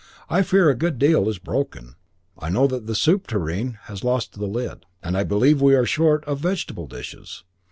I fear a good deal is broken. I know that the soup tureen has lost a lid, and I believe we are short of vegetable dishes.